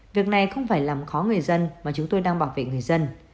việc này không phải làm khó người dân mà chúng tôi đang bảo vệ người dân